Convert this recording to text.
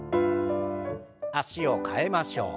脚を替えましょう。